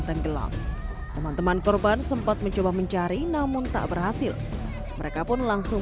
tenggelam teman teman korban sempat mencoba mencari namun tak berhasil mereka pun langsung